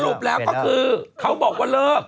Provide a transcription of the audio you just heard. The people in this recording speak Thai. ปแล้วก็คือเขาบอกว่าเลิก